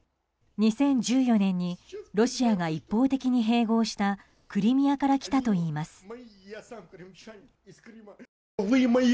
２０１４年にロシアが一方的に併合したクリミアから来たといいます。